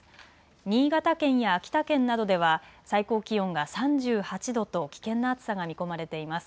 新潟県や秋田県などでは最高気温が３８度と危険な暑さが見込まれています。